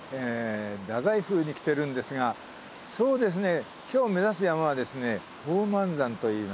太宰府に来てるんですがそうですねでは。